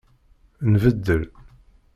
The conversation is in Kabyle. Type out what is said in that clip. Nbeddel.